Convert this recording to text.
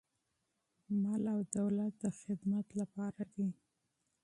مال او دولت د خدمت لپاره دی.